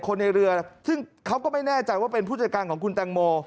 คนในเรือซึ่งเขาก็ไม่แน่ใจว่าเป็นผู้จัดการของคุณแตงโม